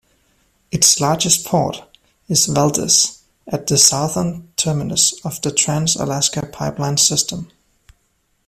Its largest port is Valdez, at the southern terminus of the Trans-Alaska Pipeline System.